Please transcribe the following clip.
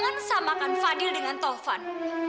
jangan samakan fadil dengan taufan